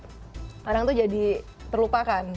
kadang tuh jadi terlupakan